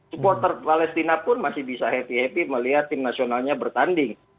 supporter palestina pun masih bisa happy happy melihat tim nasionalnya bertanding